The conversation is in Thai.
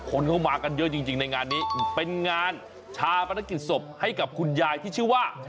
คนเข้ามากันเยอะจริงในงานนี้เป็นงานชาปนกิจศพให้กับคุณยายที่ชื่อว่า